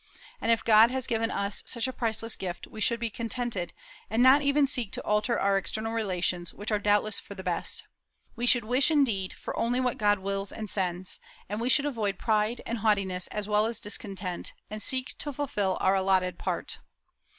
And if God has given us such a priceless gift, we should be contented, and not even seek to alter our external relations, which are doubtless for the best. We should wish, indeed, for only what God wills and sends, and we should avoid pride and haughtiness as well as discontent, and seek to fulfil our allotted part.